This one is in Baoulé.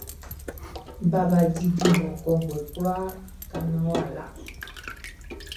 Baba di junman kɔnguɛ kwlaa ka naan wʼa la.